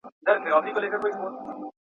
تاسو په خپل ځان کي پوره یاست.